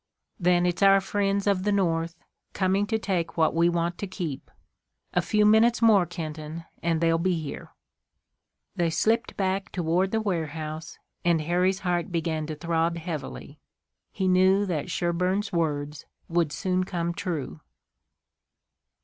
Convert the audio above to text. "Then it's our friends of the North, coming to take what we want to keep. A few minutes more, Kenton, and they'll be here." They slipped back toward the warehouse, and Harry's heart began to throb heavily. He knew that Sherburne's words would soon come true.